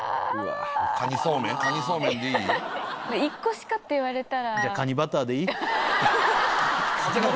１個しかって言われたら。